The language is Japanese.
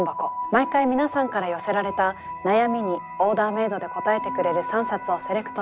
毎回皆さんから寄せられた悩みにオーダーメードで答えてくれる３冊をセレクトしてご紹介します。